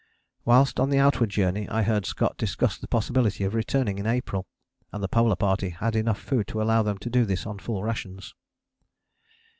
Whilst on the outward journey I heard Scott discuss the possibility of returning in April; and the Polar Party had enough food to allow them to do this on full rations.